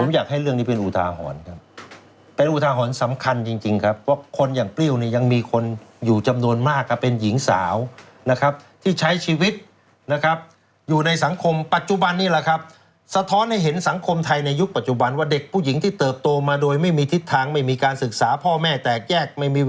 อยากให้เรื่องนี้เป็นอุทาหรณ์ครับเป็นอุทาหรณ์สำคัญจริงครับเพราะคนอย่างเปรี้ยวเนี่ยยังมีคนอยู่จำนวนมากครับเป็นหญิงสาวนะครับที่ใช้ชีวิตนะครับอยู่ในสังคมปัจจุบันนี้แหละครับสะท้อนให้เห็นสังคมไทยในยุคปัจจุบันว่าเด็กผู้หญิงที่เติบโตมาโดยไม่มีทิศทางไม่มีการศึกษาพ่อแม่แตกแยกไม่มี